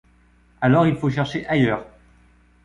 Alors il faut chercher ailleurs.